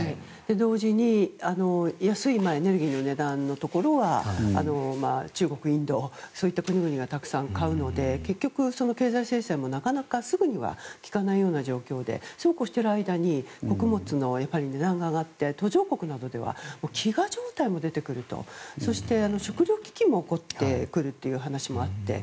同時に安いエネルギーの値段のところは中国、インドといった国が買うので結局、経済制裁もすぐには効かないような状況でそうこうしている間に穀物の値段が上がって途上国などでは飢餓状態も出てきてそして、食糧危機も起こってくるという話もあって。